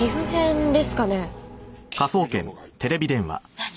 「何？」